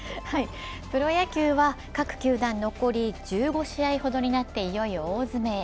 プロ野球は各球団残り１５試合ほどになっていよいよ大詰めへ。